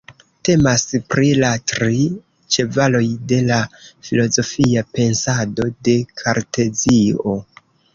Temas pri la tri ĉevaloj de la filozofia pensado de Kartezio.